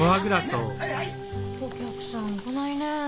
お客さん来ないね。